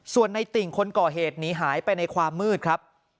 ส่วนในติ่งคนก่อเหตุหนีหายไปในความมืดครับ